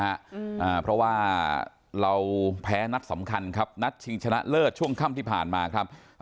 อ่าเพราะว่าเราแพ้นัดสำคัญครับนัดชิงชนะเลิศช่วงค่ำที่ผ่านมาครับ